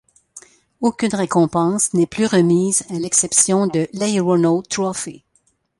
Aucune récompense n'est plus remise à l'exception de l'Aeronaut Trophy.